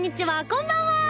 こんばんは！